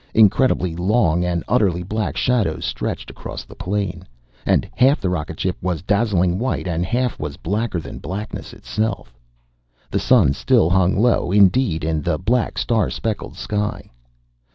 Incredibly long and utterly black shadows stretched across the plain, and half the rocketship was dazzling white and half was blacker than blackness itself. The sun still hung low indeed in the black, star speckled sky.